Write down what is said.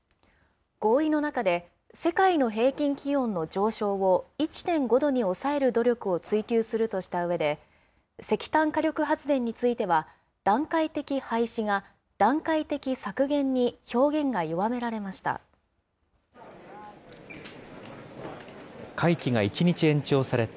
合意の中で世界の平均気温の上昇を１．５度に抑える努力を追求するとしたうえで、石炭火力発電については、段階的廃止が、段階的削減に表現が弱められました。